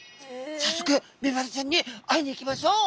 さっそくメバルちゃんに会いに行きましょう！